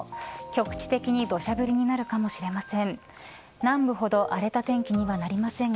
局地的に土砂降りになるかもしれません。